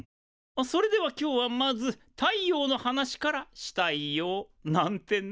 それでは今日はまず太陽の話からしタイヨウ。なんてね！